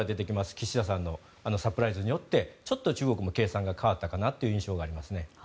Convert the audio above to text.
岸田さんのサプライズによってちょっと中国も計算が変わったかなという印象がありますね。